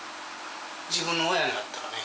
自分の親になったらね。